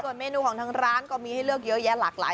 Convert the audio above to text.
เมนูของทางร้านก็มีให้เลือกเยอะแยะหลากหลาย